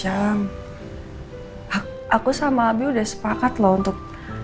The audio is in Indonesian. untuk semua orang yang telah menonton